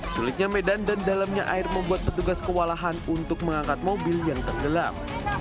sulitnya medan dan dalamnya air membuat petugas kewalahan untuk mengangkat mobil yang tergelam